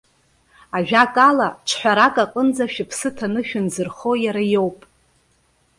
Ажәакала, ҽҳәарак аҟынӡа шәыԥсы ҭаны шәынзырхо иара иоуп.